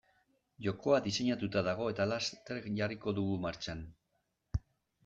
Jokoa diseinatuta dago eta laster jarriko dugu martxan.